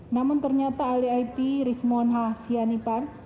namun ternyata ahli it rismon h sianipar